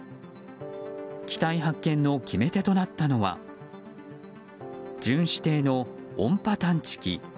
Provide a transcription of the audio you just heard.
機体発見の決め手となったのは巡視艇の音波探知機。